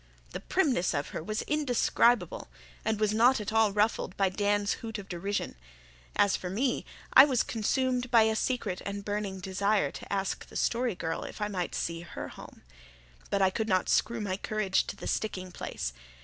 The primness of her was indescribable, and was not at all ruffled by Dan's hoot of derision. As for me, I was consumed by a secret and burning desire to ask the Story Girl if I might see HER home; but I could not screw my courage to the sticking point.